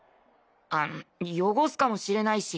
あの汚すかもしれないし。